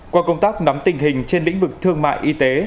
qua công tác nắm tình hình trên lĩnh vực thương mại y tế